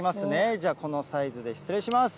じゃあ、このサイズで、失礼します。